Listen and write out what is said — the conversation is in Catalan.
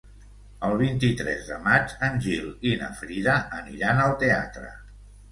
El vint-i-tres de maig en Gil i na Frida aniran al teatre.